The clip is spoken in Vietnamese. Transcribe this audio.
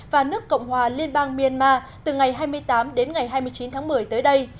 và nước cộng hòa liên bang myanmar từ ngày hai mươi tám đến ngày hai mươi chín tháng một mươi tới đây